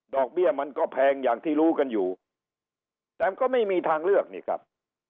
เบี้ยมันก็แพงอย่างที่รู้กันอยู่แต่ก็ไม่มีทางเลือกนี่ครับ